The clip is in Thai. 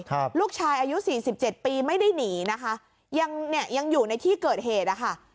ครับลูกชายอายุสี่สิบเจ็ดปีไม่ได้หนีนะคะยังเนี่ยยังอยู่ในที่เกิดเหตุอ่ะค่ะ